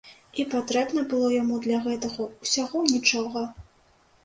І патрэбна было яму для гэтага ўсяго нічога!